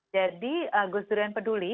jadi gus durian peduli